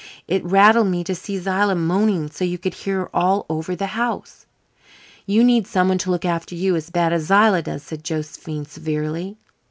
It rattled me to hear Zillah moaning so's you could hear her all over the house." "You need someone to look after you as bad as Zillah does," said Josephine severely.